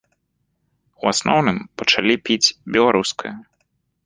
У асноўным пачалі піць беларускае.